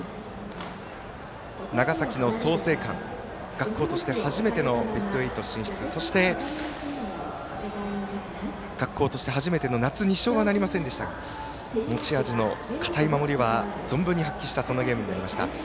学校として初めてのベスト８進出そして、学校として初めての夏２勝はなりませんでしたが持ち味の堅い守りは存分に発揮したゲームになりました。